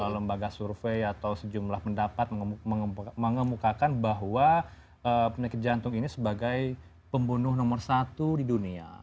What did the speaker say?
lembaga survei atau sejumlah pendapat mengemukakan bahwa penyakit jantung ini sebagai pembunuh nomor satu di dunia